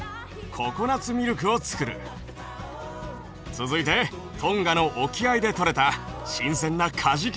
続いてトンガの沖合でとれた新鮮なカジキマグロ！